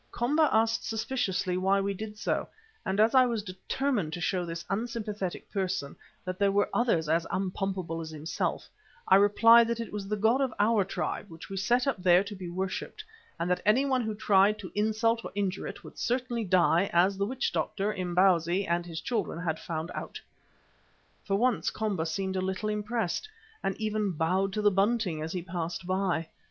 Komba asked suspiciously why we did so, and as I was determined to show this unsympathetic person that there were others as unpumpable as himself, I replied that it was the god of our tribe, which we set up there to be worshipped, and that anyone who tried to insult or injure it, would certainly die, as the witch doctor, Imbozwi, and his children had found out. For once Komba seemed a little impressed, and even bowed to the bunting as he passed by.